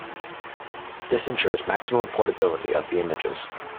This ensures maximum portability of the images.